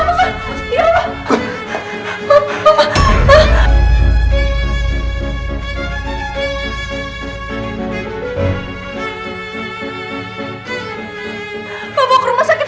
mama bawa ke rumah sakit